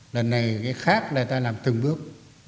lần này cái khác là ta làm từng bước